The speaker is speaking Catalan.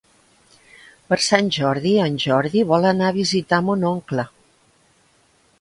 Per Sant Jordi en Jordi vol anar a visitar mon oncle.